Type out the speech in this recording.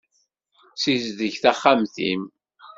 Sizdeg taxxamt-im.